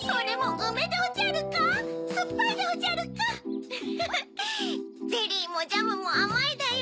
ウフフゼリーもジャムもあまいだよ。